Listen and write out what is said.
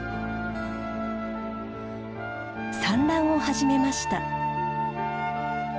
産卵を始めました。